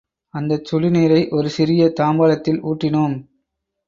அந்தச் சுடுநீரை ஒரு சிறிய தாம்பாளத்தில் ஊற்றினோம்.